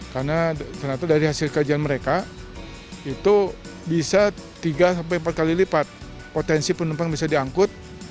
karena ternyata dari hasil kerjaan mereka itu bisa tiga empat kali lipat potensi penumpang bisa diangkut